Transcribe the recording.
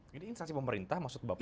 jadi insansi pemerintah maksud bapak